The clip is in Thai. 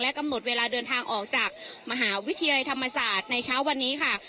กำหนดเวลาเดินทางออกจากมหาวิทยาลัยธรรมศาสตร์ในเช้าวันนี้ค่ะ